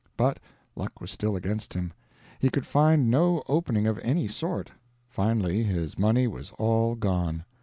But luck was still against him; he could find no opening of any sort. Finally his money was all gone.